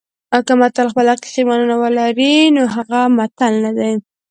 که متل خپله حقیقي مانا ولري نو هغه متل نه دی